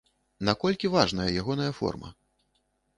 Наколькі важная ягоная форма?